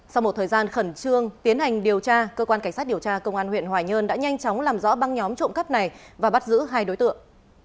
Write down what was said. sau một thời gian khẩn trương tiến hành điều tra cơ quan cảnh sát điều tra công an huyện hoài nhơn đã nhanh chóng làm rõ băng nhóm trộm cắp này và bắt giữ hai đối tượng